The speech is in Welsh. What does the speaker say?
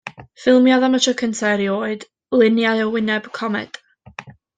Ffilmiodd, am y tro cyntaf erioed, luniau o wyneb comed.